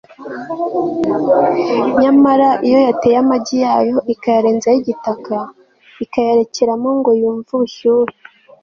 nyamara iyo yateye amagi yayo ikayarenzaho igitaka, ikayarekeramo ngo yumve ubushyuhe